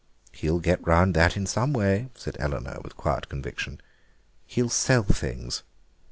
"He'll get round that in some way," said Eleanor with quiet conviction; "he'll sell things."